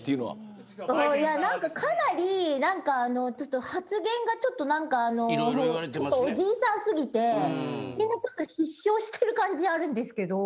かなり発言がちょっとおじいさん過ぎてみんな失笑してる感じあるんですけど。